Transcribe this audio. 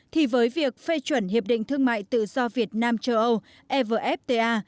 thì với việc phê chuẩn hiệp định thương mại tự do việt nam châu âu evfta